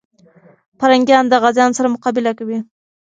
پرنګیان د غازيانو سره مقابله کوي.